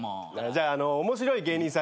じゃあ面白い芸人さん